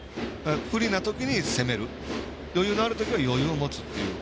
不利なときに攻める余裕があるときに余裕を持つという。